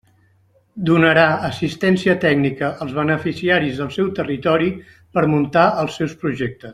Donarà assistència tècnica als beneficiaris del seu territori per muntar els seus projectes.